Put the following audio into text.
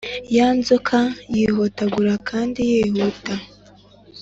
ya nzoka yihotagura kandi yihuta,